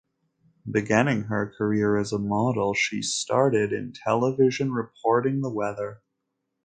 Beginning her career as a model, she started in television reporting the weather.